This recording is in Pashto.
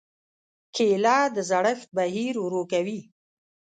کېله د زړښت بهیر ورو کوي.